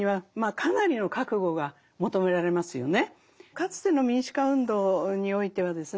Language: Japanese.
かつての民主化運動においてはですね